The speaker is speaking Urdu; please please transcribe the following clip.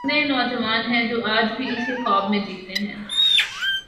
کتنے نوجوان ہیں جو آج بھی اسی خواب میں جیتے ہیں۔